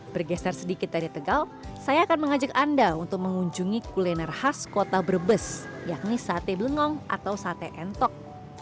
bergeser sedikit dari tegal saya akan mengajak anda untuk mengunjungi kuliner khas kota brebes yakni sate blengong atau sate entok